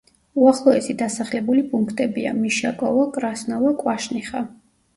უახლოესი დასახლებული პუნქტებია: მიშაკოვო, კრასნოვო, კვაშნიხა.